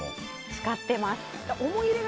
使ってます。